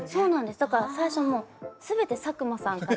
だから最初全て佐久間さんから。